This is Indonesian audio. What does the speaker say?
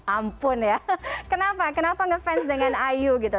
ampun ya kenapa kenapa ngefans dengan ayu gitu